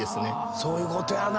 そういうことやな。